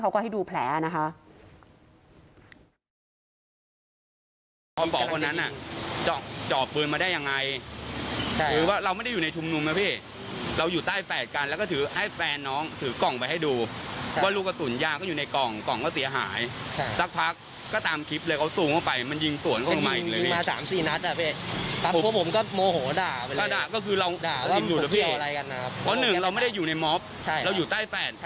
บอกแล้วว่าถ้าเป็นชาวบ้านเนี่ยถ้าแบบบาดเจ็บหนักกว่านี้